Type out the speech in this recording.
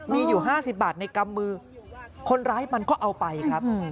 มีอยู่๕๐บาทในกำมือคนร้ายมันก็เอาไปครับ